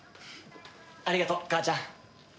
ありがとう母ちゃん。